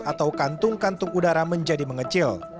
atau kantung kantung udara menjadi mengecil